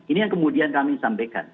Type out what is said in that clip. ini yang kemudian kami sampaikan